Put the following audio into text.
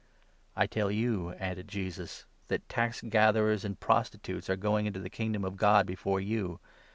" I tell you," added Jesus, "that tax gatherers and prosti tutes are going into the Kingdom of God before you.